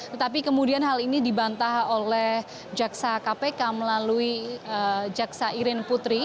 tetapi kemudian hal ini dibantah oleh jaksa kpk melalui jaksa irin putri